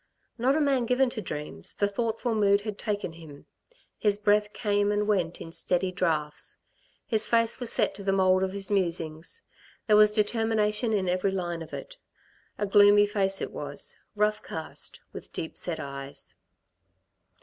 Not a man given to dreams, the thoughtful mood had taken him; his breath came and went in steady draughts. His face was set to the mould of his musing; there was determination in every line of it. A gloomy face it was, rough cast, with deep set eyes.